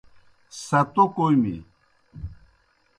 ستو کوْمیْ۔